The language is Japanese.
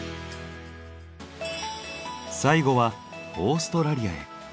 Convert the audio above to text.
最後はオーストラリアへ。